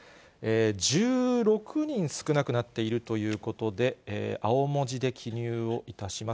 １６人少なくなっているということで、青文字で記入をいたします。